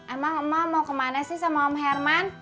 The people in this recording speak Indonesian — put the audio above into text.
emang emak mau kemana sih sama om herman